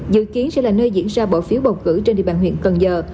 dự kiến sẽ là nơi diễn ra bỏ phiếu bầu cử trên địa bàn huyện cần giờ